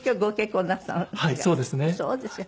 はいそうですね。